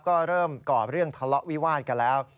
ก็เริ่มก่อเรื่องทะเลาะวิวาดกันแล้ว